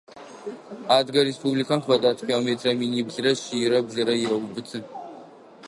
Адыгэ Республикэм квадрат километрэ миныблырэ шъийрэ блырэ еубыты.